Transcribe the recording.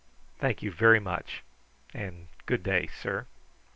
Thank you very much, and good day, sir."